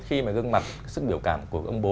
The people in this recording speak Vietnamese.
khi mà gương mặt sức biểu cảm của ông bố